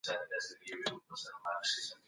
هغه څوک چي بدکار وي ملګری یې مه کوه.